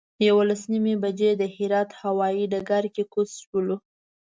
یولس نیمې بجې د هرات هوایي ډګر کې کوز شولو.